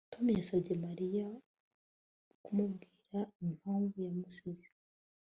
Tom yasabye Mariya kumubwira impamvu yamusize